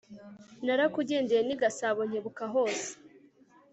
Narakugendeye ni Gasabo Nkebuka hose